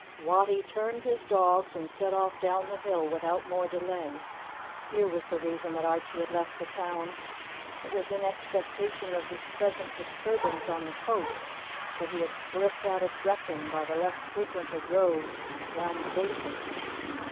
Wattie turned his dogs, and set off down the hill without more delay. Here was the reason that Archie had left the town! It was in expectation of this present disturbance on the coast that he had slipped out of Brechin by the less frequented road round the Basin.